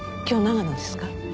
今日長野ですか？